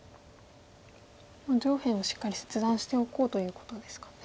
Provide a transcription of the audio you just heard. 上辺をしっかり切断しておこうということですかね。